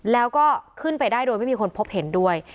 แล้วก็ขึ้นไปได้โดยไม่มีคนพบเห็นด้วย